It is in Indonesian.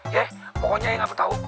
yeh pokoknya ya nggak peda tau